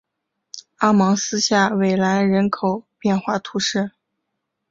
阿芒斯下韦兰人口变化图示